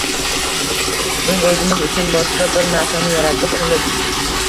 Biz o‘zimiz uchun boshqa bir narsani yaratib olib